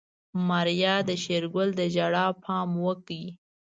ماريا د شېرګل د ژړا پام وکړ.